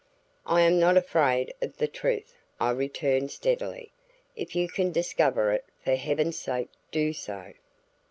"I am not afraid of the truth," I returned steadily. "If you can discover it, for Heaven's sake do so!"